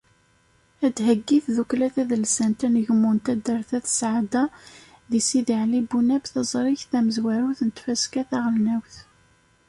Ad d-theyyi tdukkla tadelsant “Anegmu” n taddart At Sɛada deg Sidi Ɛli Bunab taẓrigt tamezwarut n tfaska taɣelnawt.